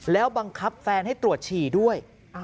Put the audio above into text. แล้วบังคับแฟนให้ตรวจฉี่ด้วย